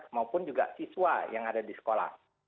maupun juga siswa yang ada di sekolah